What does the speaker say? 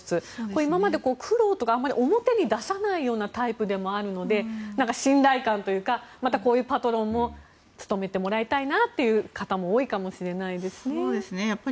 今まで苦労とかあまり表に出さないようなタイプでもあるので信頼感というかパトロンも務めてもらいたいなという方も多いかもしれないですね。